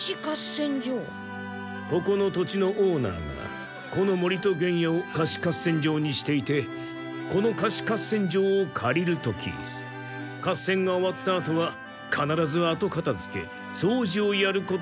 ここの土地のオーナーがこの森と原野を貸し合戦場にしていてこの貸し合戦場を借りる時合戦が終わったあとは必ずあとかたづけそうじをやることが条件に入っているんだ。